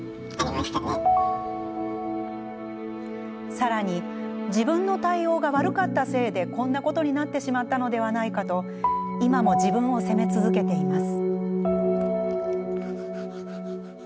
さらに、自分の対応が悪かったせいでこんなことになってしまったのではないかと今も自分を責め続けています。